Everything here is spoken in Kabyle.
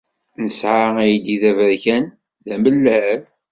Nesɛa aydi d aberkan, d amellal.